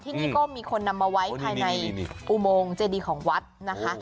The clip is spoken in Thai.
ที่นี่ก็มีคนนำมาไว้ภายในอุโมงเจดีของวัดนะคะ